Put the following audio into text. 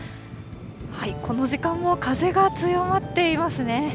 この時間も風が強まっていますね。